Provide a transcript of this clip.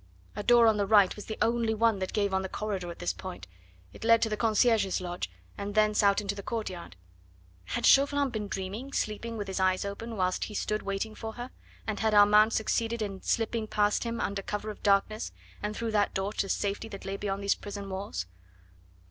A door on the right was the only one that gave on the corridor at this point; it led to the concierge's lodge, and thence out into the courtyard. Had Chauvelin been dreaming, sleeping with his eyes open, whilst he stood waiting for her, and had Armand succeeded in slipping past him under cover of the darkness and through that door to safety that lay beyond these prison walls?